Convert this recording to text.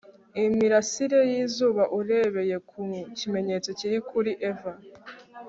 Imirasire yizuba urebeye ku kimenyetso kiri kuri eva